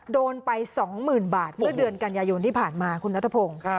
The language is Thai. โดนไป๒๐๐๐บาทเมื่อเดือนกันยายนที่ผ่านมาคุณนัทพงศ์